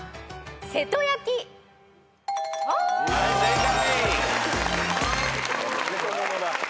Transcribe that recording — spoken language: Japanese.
はい正解。